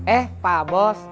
eh pak bos